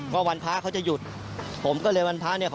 วันพระเขาจะหยุดผมก็เลยวันพระเนี่ย